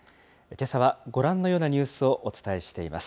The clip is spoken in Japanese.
けさはご覧のようなニュースをお伝えしています。